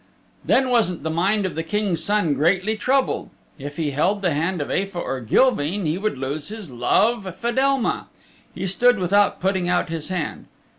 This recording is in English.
Then wasn't the mind of the King's Son greatly troubled? If he held the hand of Aefa or Gilveen he would lose his love Fedelma. He stood without putting out his hand.